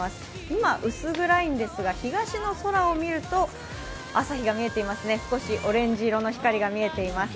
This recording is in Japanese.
今、薄暗いんですが東の空を見てみますと朝日が見えていますね、少しオレンジ色の光が見えています。